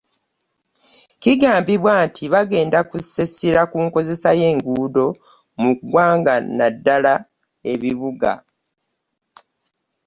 Kigambibwa nti bagenda kussa essira ku nkozesa y'enguudo mu ggwanga nnaddala ebibuga.